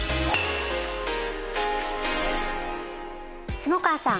下川さん